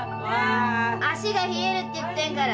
足が冷えるって言ってるから。